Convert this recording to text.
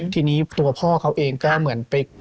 ทีนี้ตัวพ่อเขาเองก็เหมือนไปกู้แบงค์